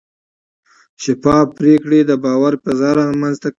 شفاف پریکړې د باور فضا رامنځته کوي.